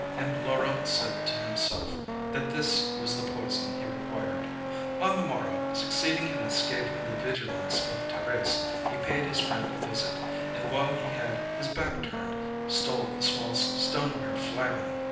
And Laurent said to himself, that this was the poison he required. On the morrow, succeeding in escaping the vigilance of Thérèse, he paid his friend a visit, and while he had his back turned, stole the small stoneware flagon.